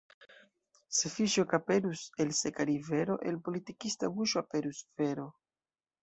Se fiŝo ekaperus el seka rivero, el politikista buŝo aperus vero.